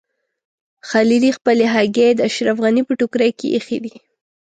خلیلي خپلې هګۍ د اشرف غني په ټوکرۍ کې ایښي دي.